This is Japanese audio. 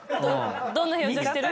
どんな表情してる？